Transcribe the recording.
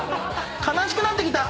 ⁉悲しくなってきた。